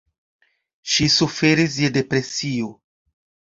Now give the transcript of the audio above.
Ŝi suferis je depresio.